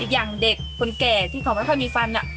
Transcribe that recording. ยังเด็กคนแก่ที่ขอไม่พอมีฟันน่ะ